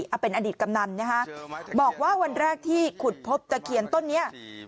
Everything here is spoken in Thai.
อ่ะเป็นอดิตกำนันนี่ฮะบอกว่าวันแรกที่ขุดพบจาต้นเนี้ย